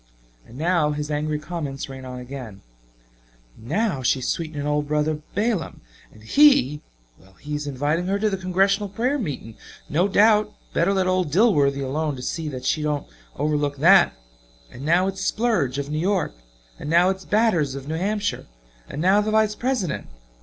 And now his angry comments ran on again: "Now she's sweetening old Brother Balaam; and he well he is inviting her to the Congressional prayer meeting, no doubt better let old Dilworthy alone to see that she doesn't overlook that. And now its Splurge, of New York; and now its Batters of New Hampshire and now the Vice President!